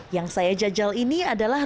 yang saya jajal ini adalah